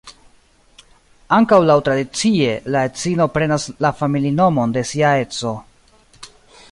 Ankaŭ laŭtradicie, la edzino prenas la familinomon de sia edzo.